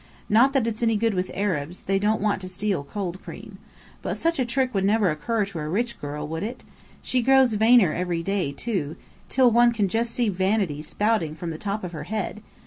Not that it's any good with Arabs, they don't want to steal cold cream. But such a trick would never occur to a rich girl, would it? She grows vainer every day, too, till one can just see vanity spouting from the top of her head.